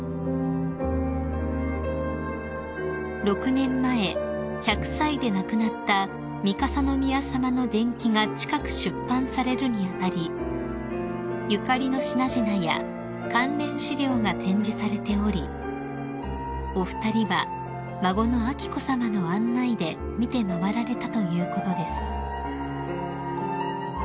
［６年前１００歳で亡くなった三笠宮さまの伝記が近く出版されるに当たりゆかりの品々や関連資料が展示されておりお二人は孫の彬子さまの案内で見て回られたということです］